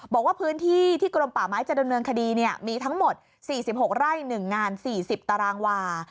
บอกว่าพื้นที่ที่กรมป่าไม้จะดำเนินคดีมีทั้งหมด๔๖ไร่๑งาน๔๐ตารางวา